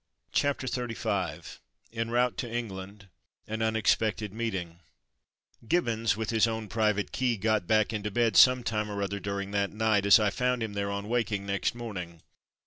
CHAPTER XXXV EN ROUTE TO ENGLAND — AN UNEXPECTED MEETING Gibbons, with his own private key, got back and to bed sometime or other during that night, as I found him there on waking next morning.